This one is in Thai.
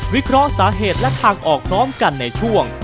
เคราะห์สาเหตุและทางออกพร้อมกันในช่วง